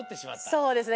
そうですね。